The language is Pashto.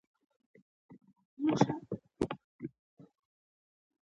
مونږ جارو ته رېبز يايو